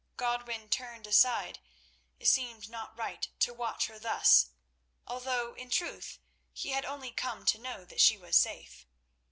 Godwin turned aside; it seemed not right to watch her thus, although in truth he had only come to know that she was safe.